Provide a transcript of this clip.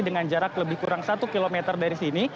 dengan jarak lebih kurang satu km dari sini